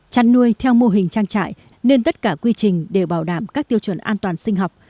chăn nuôi theo mô hình trang trại nên tất cả quy trình đều bảo đảm các tiêu chuẩn an toàn sinh học